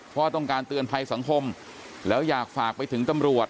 เพราะต้องการเตือนภัยสังคมแล้วอยากฝากไปถึงตำรวจ